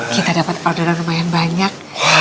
kita dapat ordonan lumayan banyak